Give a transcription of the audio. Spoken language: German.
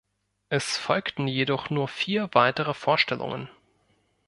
Es folgten jedoch nur vier weitere Vorstellungen.